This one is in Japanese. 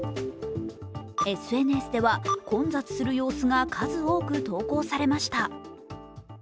ＳＮＳでは、混雑する様子が数多く投稿されました。